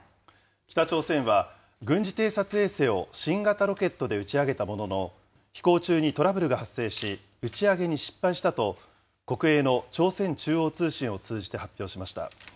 北朝鮮は、軍事偵察衛星を新型ロケットで打ち上げたものの、飛行中にトラブルが発生し、打ち上げに失敗したと、国営の朝鮮中央通信を通じて発表しました。